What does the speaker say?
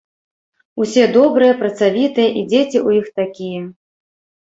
Усе добрыя, працавітыя, і дзеці ў іх такія.